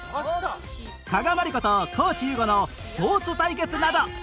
加賀まりこと地優吾のスポーツ対決など